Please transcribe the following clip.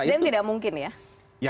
karena nasdem tidak mungkin ya